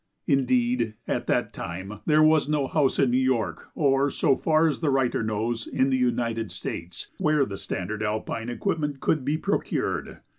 Indeed, at that time there was no house in New York, or, so far as the writer knows, in the United States, where the standard alpine equipment could be procured.